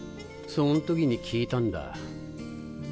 そん時に聞いたんだ。